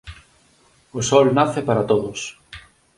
O Sol nace para todos.